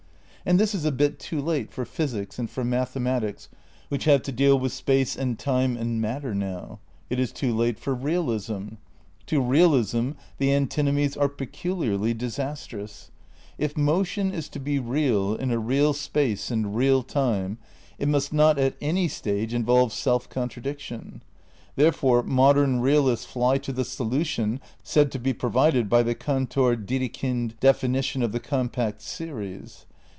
And this is a bit too late for physics and for mathe matics which have to deal with space and time and mat ter now. It is too late for realism. To realism the antinomies are peculiarly disastrous. If motion is to be real in a real space and real time, it must not at any stage involve self contradiction. Therefore modern realists fly to the solution said to be provided by the Cantor Dedekind definition of the compact series.